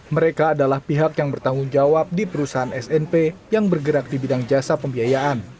mereka adalah pihak yang bertanggung jawab di perusahaan snp yang bergerak di bidang jasa pembiayaan